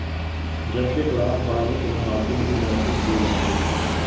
جب کہ قرآن خوانی کی محافل بھی منعقد کی جائیں گی۔